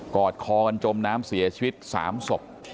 อดคอกันจมน้ำเสียชีวิต๓ศพ